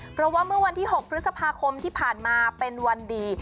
เพราะว่าเมื่อวันที่๖พฤษภาคมที่ผ่านมาเป็นวันดี